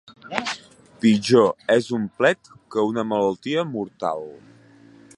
Pitjor és un plet que una malaltia mortal.